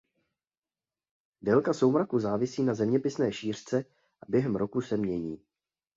Délka soumraku závisí na zeměpisné šířce a během roku se mění.